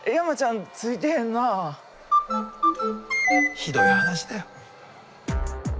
ひどい話だよ。